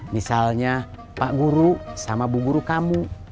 misalnya pak guru sama bu guru kamu